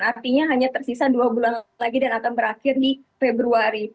artinya hanya tersisa dua bulan lagi dan akan berakhir di februari